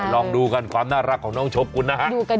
ลองดูกันความน่ารักของน้องชบคุณนะครับ